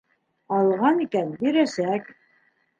Алған икән, бирәсәк.